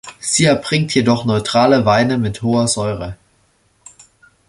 Sie erbringt jedoch neutrale Weine mit hoher Säure.